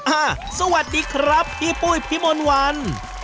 สวัสดีครับพี่ปุ้ยพี่มนต์วัน